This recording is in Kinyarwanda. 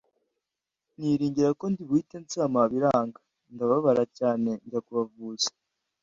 niringira ko ndi buhite nsama biranga, ndababara cyane njya ku bavuzi